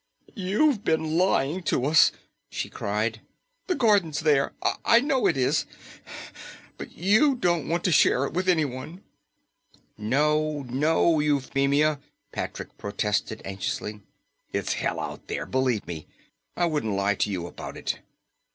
"You've been lying to us," she cried. "The garden's there. I know it is. But you don't want to share it with anyone." "No, no, Euphemia," Patrick protested anxiously. "It's hell out there, believe me. I wouldn't lie to you about it."